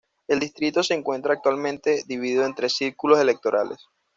El distrito se encuentra actualmente dividido en tres círculos electorales.